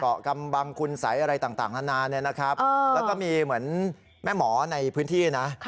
กำบังคุณสัยอะไรต่างนานาเนี่ยนะครับแล้วก็มีเหมือนแม่หมอในพื้นที่นะ